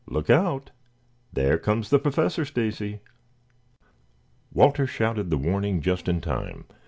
"Look out! There comes the Professor Stacy." Walter shouted the warning just in time.